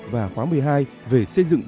và khóa một mươi hai về xây dựng